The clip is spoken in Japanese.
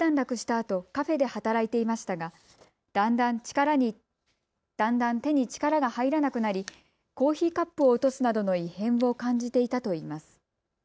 あとカフェで働いていましたがだんだん手に力が入らなくなりコーヒーカップを落とすなどの異変を感じていたといいます。